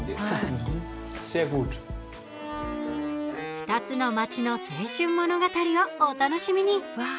２つの街の青春物語をお楽しみに。